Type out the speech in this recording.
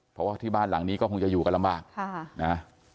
เพราะว่าที่บ้านหลังนี้ก็คงจะอยู่กันลำบากนะ